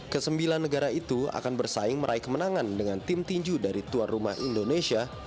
kesembilan negara itu akan bersaing meraih kemenangan dengan tim tinju dari tuan rumah indonesia